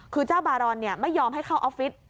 คือเจ้าบารอนไม่ยอมให้เข้าออฟฟิศ